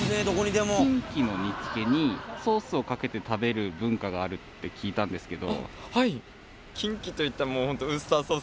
キンキの煮つけにソースをかけて食べる文化があるって聞いたんですけど。